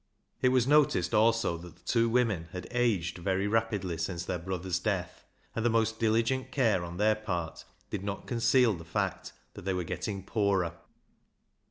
It was noticed also that the two women had aged very rapidly since their brother's death, and the most diligent care on their part did not conceal the fact that they were getting poorer.